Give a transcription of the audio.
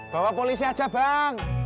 bawa polisi aja bang